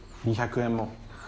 ２００円も。